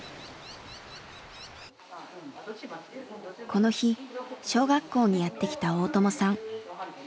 この日小学校にやって来た大友さん。